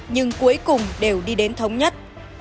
nhưng cuối cùng đều đi đến thống nhất